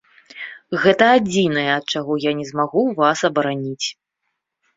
Гэта адзінае, ад чаго я не змагу вас абараніць.